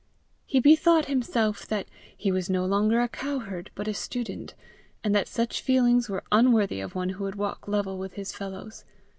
He bethought himself that he was no longer a cowherd but a student, and that such feelings were unworthy of one who would walk level with his fellows.